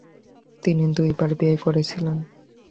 তিনি দুইবার বিয়ে করেছিলেন।